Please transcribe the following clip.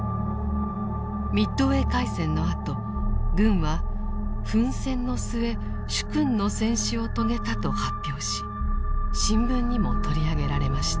ミッドウェー海戦のあと軍は奮戦の末殊勲の戦死を遂げたと発表し新聞にも取り上げられました。